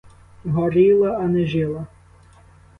Горіла, а не жила.